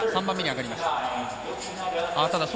３番目に上がりました。